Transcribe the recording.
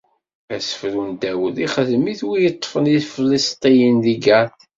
Asefru n Dawed, ixdem-it mi t-ṭṭfen Ifilistiyen di Gat.